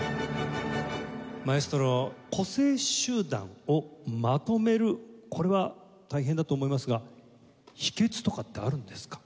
マエストロ個性集団をまとめるこれは大変だと思いますが秘訣とかってあるんですか？